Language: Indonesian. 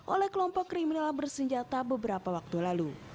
oleh kelompok kriminal bersenjata beberapa waktu lalu